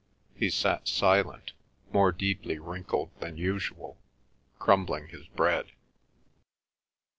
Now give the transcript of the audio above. He sat silent, more deeply wrinkled than usual, crumbling his bread.